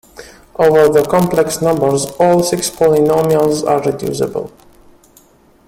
Over the complex numbers, all six polynomials are reducible.